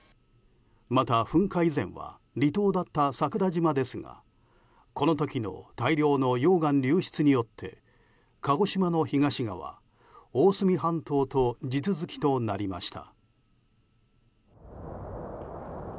また噴火以前は離島だった桜島ですがこの時の大量の溶岩流出によって鹿児島の東側、大隅半島と地続きとなりました。